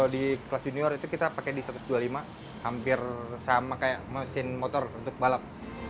di kelas junior itu kita pakai di satu ratus dua puluh lima hampir sama kayak mesin motor untuk balap